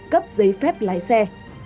cấp giấy phép lái xe